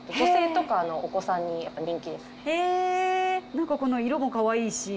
なんかこの色もかわいいし。